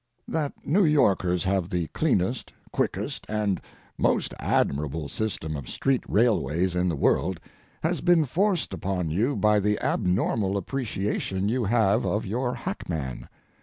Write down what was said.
That New Yorkers have the cleanest, quickest, and most admirable system of street railways in the world has been forced upon you by the abnormal appreciation you have of your hackman.